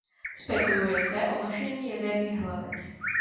Spekuluje se o nošení jaderných hlavic.